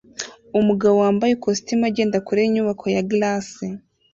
Umugabo wambaye ikositimu agenda kure yinyubako ya GRACE